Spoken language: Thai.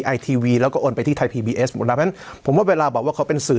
ไอทีวีแล้วก็โอนไปที่ไทยพีบีเอสหมดแล้วเพราะฉะนั้นผมว่าเวลาบอกว่าเขาเป็นสื่อ